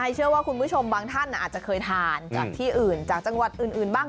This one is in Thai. เชื่อว่าคุณผู้ชมบางท่านอาจจะเคยทานจากที่อื่นจากจังหวัดอื่นบ้าง